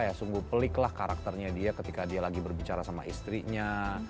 jadi sungguh peliklah karakternya dia ketika dia lagi berbicara sama istrinya